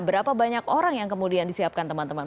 berapa banyak orang yang kemudian disiapkan teman teman